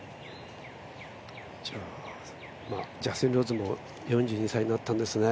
ジャスティン・ローズも４２歳になったんですね。